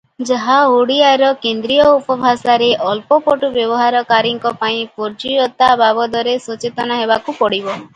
ଯାହା ଓଡ଼ିଆର କେନ୍ଦ୍ରୀୟ ଉପଭାଷାରେ ଅଳ୍ପ ପଟୁ ବ୍ୟବହାରକାରୀଙ୍କ ପାଇଁ ପ୍ରଯୁଜ୍ୟ ତା’ ବାବଦରେ ସଚେତନ ହେବାକୁ ପଡ଼ିବ ।